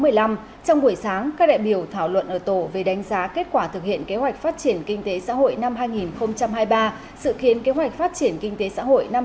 trong buổi sáng các đại biểu thảo luận ở tổ về đánh giá kết quả thực hiện kế hoạch phát triển kinh tế xã hội năm hai nghìn hai mươi ba sự khiến kế hoạch phát triển kinh tế xã hội năm hai nghìn ba mươi